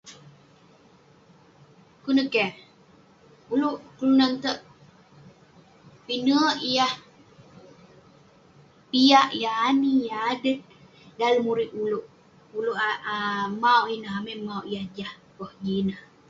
Kuk neh keh, ulouk kelunan tek, pinek yah piak, yah ani, yah adet, dalem urip ulouk. Ulouk um mauk ineh, amai mauk yah jah peh jin ineh.